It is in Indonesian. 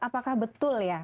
apakah betul ya